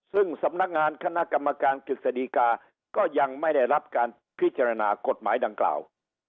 ซึ่งสำนักงานคณะกรรมการกฤษฎีกาก็ยังไม่ได้รับการพิจารณากฎหมายดังกล่าว